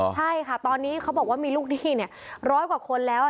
ใช่ค่ะตอนนี้เขาบอกว่ามีลูกหนี้ร้อยกว่าคนแล้ว